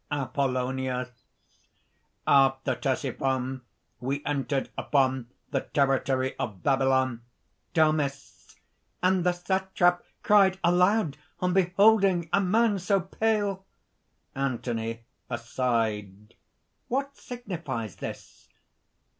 APOLLONIUS. "After Ctesiphon, we entered upon the territory of Babylon." DAMIS. "And the Satrap cried aloud on beholding a man so pale." ANTHONY (aside). "What signifies this?..."